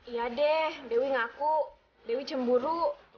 ya deh dewi ngaku dewi cemburu